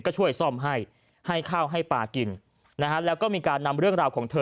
ก็ช่วยซ่อมให้ให้ข้าวให้ปลากินนะฮะแล้วก็มีการนำเรื่องราวของเธอ